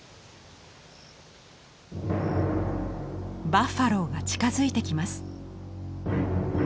バッファローが近づいてきます。